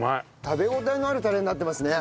食べ応えのあるタレになってますね。